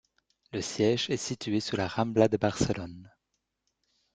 Le siège est situé sur la Rambla de Barcelone.